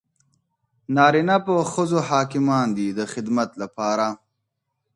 نارینه په ښځو حاکمان دي د خدمت لپاره.